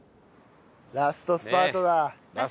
ラストスパート。